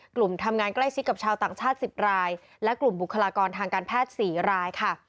กลุ่มทำงานใกล้ชิดกับชาวต่างชาติ๑๐รายและกลุ่มบุคลากรทางการแพทย์๔รายค่ะ